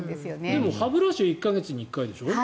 でも歯ブラシは１か月に１回でしょ？